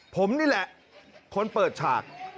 ผมนี่แหละคนเปิดฉาก